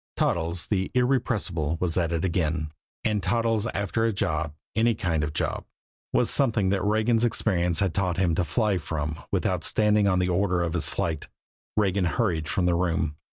Toddles, the irrepressible, was at it again and Toddles after a job, any kind of a job, was something that Regan's experience had taught him to fly from without standing on the order of his flight. Regan hurried from the room.